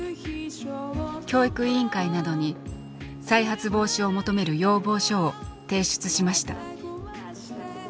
教育委員会などに再発防止を求める要望書を提出しました。